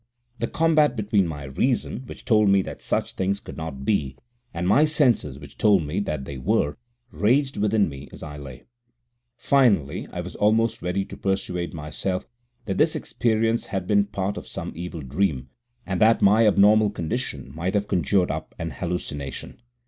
The combat between my reason, which told me that such things could not be, and my senses, which told me that they were, raged within me as I lay. Finally, I was almost ready to persuade myself that this experience had been part of some evil dream, and that my abnormal condition might have conjured up an hallucination.